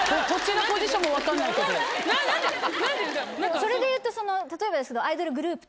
それでいうと例えばですけど。